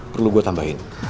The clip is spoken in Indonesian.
perlu gue tambahin